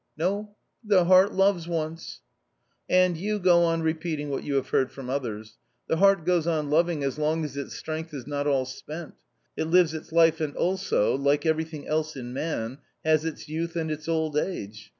" No, the heart loves once." " And you go on repeating what you have heard from others. The heart goes on loving as long as its strength is not all spent. It lives its life and also, like everything else in man, has its youth and its old age.